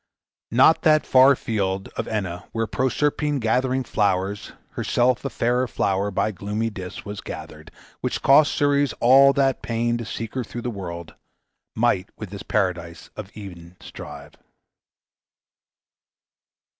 . Not that fair field Of Enna where Proserpine gathering flowers, Herself a fairer flower, by gloomy Dis Was gathered, which cost Ceres all that pain To seek her through the world, ... might with this Paradise Of Eden strive."